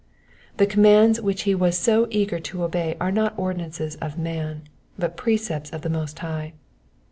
The commands which he was so eager to obey were not ordinances of man, but precepts of the Most High.